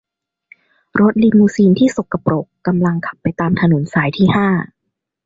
รถลีมูซีนที่สกปรกกำลังขับไปตามถนนสายที่ห้า